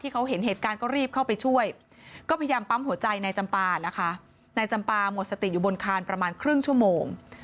ก็พยายามปั๊มหัวใจนายจำปานะคะนายจำปาหมดสติอยู่บนคานประมาณครึ่งชั่วโมง